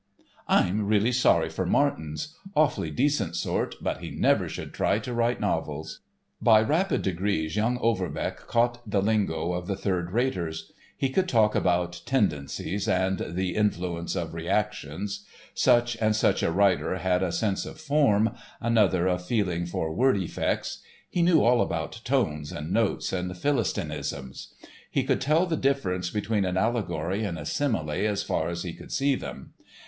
"I'm really sorry for Martens; awfully decent sort, but he never should try to write novels." By rapid degrees young Overbeck caught the lingo of the third raters. He could talk about "tendencies" and the "influence of reactions." Such and such a writer had a "sense of form," another a "feeling for word effects." He knew all about "tones" and "notes" and "philistinisms." He could tell the difference between an allegory and a simile as far as he could see them.